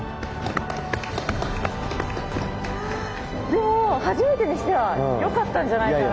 でも初めてにしてはよかったんじゃないかな。